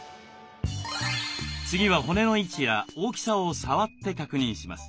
次は骨の位置や大きさを触って確認します。